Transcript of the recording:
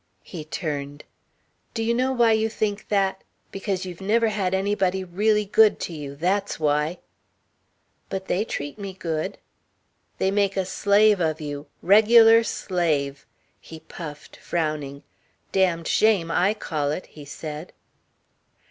He turned. "Do you know why you think that? Because you've never had anybody really good to you. That's why." "But they treat me good." "They make a slave of you. Regular slave." He puffed, frowning. "Damned shame, I call it," he said.